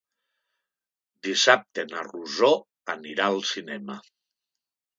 Dissabte na Rosó anirà al cinema.